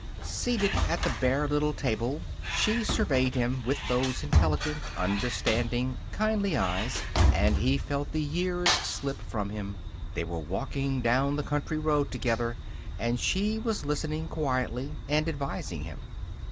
Seated at the bare little table, she surveyed him with those intelligent, understanding, kindly eyes, and he felt the years slip from him. They were walking down the country road together, and she was listening quietly and advising him.